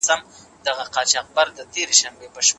د ځوانانو انرژي بايد په کار واچول سي.